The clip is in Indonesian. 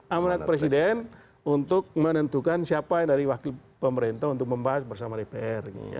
amanat presiden untuk menentukan siapa dari wakil pemerintah untuk membahas bersama dpr